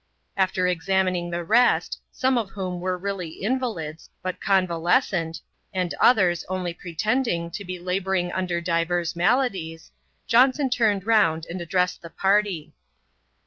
After examining the rest — some of whom were really in valids, but convalescent, and others only pretending to be labour ing under divers maladies, Johnson turned round, and addressed the party.